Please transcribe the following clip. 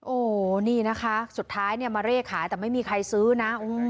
โอ้โหนี่นะคะสุดท้ายเนี่ยมาเลขขายแต่ไม่มีใครซื้อนะ